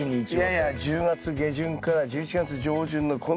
いやいや１０月下旬から１１月上旬のこの時期に。